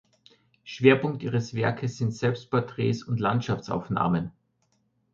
Schwerpunkt ihres Werkes sind Selbstporträts und Landschaftsaufnahmen.